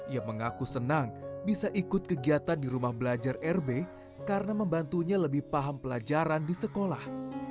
ia mengaku senang bisa ikut kegiatan di rumah belajar rb karena membantunya lebih paham pelajaran di sekolah